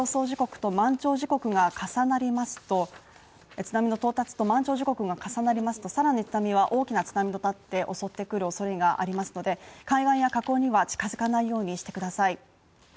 時刻と満潮時刻が重なりますと、津波の到達と満潮時刻が重なりますとさらに大きな津波が襲ってくるおそれがありますので海岸や河口には近づかないようにしてください。